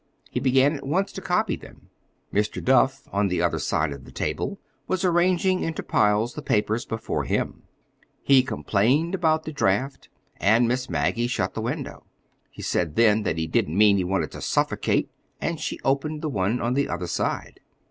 He began at once to copy them. Mr. Duff, on the other side of the table, was arranging into piles the papers before him. He complained of the draft, and Miss Maggie shut the window. He said then that he didn't mean he wanted to suffocate, and she opened the one on the other side.